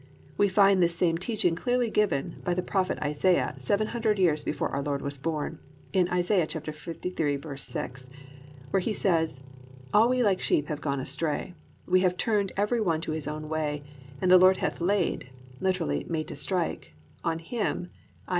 We find this same teaching clearly given by the prophet Isaiah seven hundred years before our Lord was born, in Isaiah 53:6, where he says, +"All we like sheep have gone astray; we have turned every one to his own way, and the Lord hath laid+ (literally, made to strike) +on him+ (i.